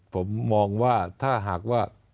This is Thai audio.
ผมมองว่าถ้าหากว่า